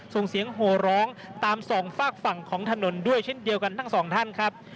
ส่งเสียงโหร้องตามสองฝากฝั่งของถนนด้วยเช่นเดียวกันทั้งสองท่านครับ